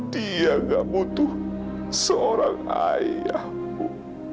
dia gak butuh seorang ayahku